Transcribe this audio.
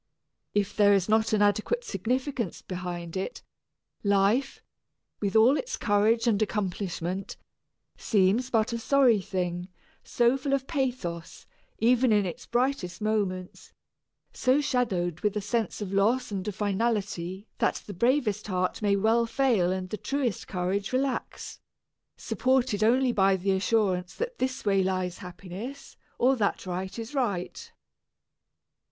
If there is not an adequate significance behind it, life, with all its courage and accomplishment, seems but a sorry thing, so full of pathos, even in its brightest moments, so shadowed with a sense of loss and of finality that the bravest heart may well fail and the truest courage relax, supported only by the assurance that this way lies happiness or that right is right.